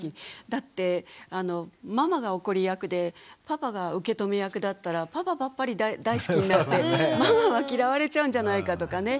だってママが怒り役でパパが受け止め役だったらパパばっかり大好きになってママは嫌われちゃうんじゃないかとかね